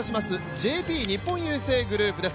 ＪＰ日本郵政グループです。